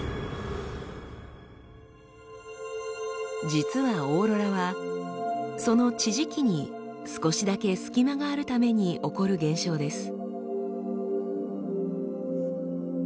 実はオーロラはその地磁気に少しだけ隙間があるために起こる現象です。